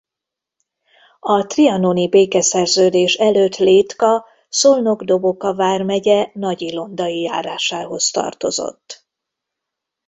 A trianoni békeszerződés előtt Létka Szolnok-Doboka vármegye Nagyilondai járásához tartozott.